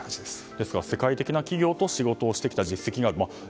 ですから、世界的企業と仕事をしてきた実績があると。